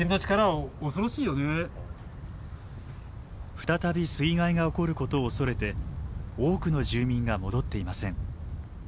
再び水害が起こることを恐れて多くの住民が戻っていません。